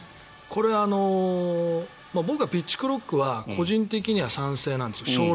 これ、僕はピッチクロックは個人的には賛成なんですよ。